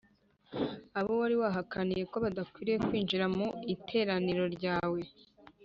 Abo wari wahakaniye ko badakwiriye kwinjira mu iteraniro ryawe.